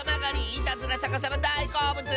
いたずらさかさまだいこうぶつ！